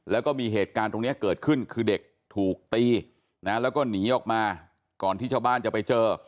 แล้วก็มีเหตุการณ์ตรงนี้เกิดขึ้นคือเด็กถูกตีนะแล้วก็หนีออกมาก่อนที่ชาวบ้านจะไปเจอ